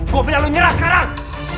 gua punya lu mira sekarang